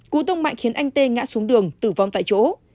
cú tông mạnh khiến anh tê ngã xuống đường tử vong tại chỗ